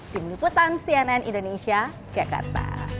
tim liputan cnn indonesia jakarta